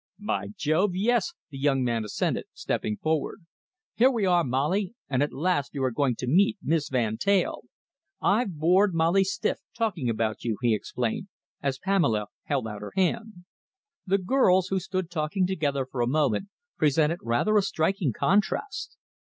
"By Jove, yes!" the young man assented, stepping forward. "Here we are, Molly, and at last you are going to meet Miss Van Teyl. I've bored Molly stiff, talking about you," he explained, as Pamela held out her hand. The girls, who stood talking together for a moment, presented rather a striking contrast.